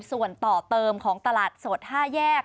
ส่วนต่อเติมของตลาดสด๕แยก